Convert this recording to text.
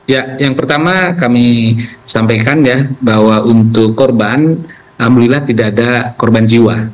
ya yang pertama kami sampaikan ya bahwa untuk korban alhamdulillah tidak ada korban jiwa